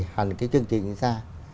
hẳn cái chương trình ra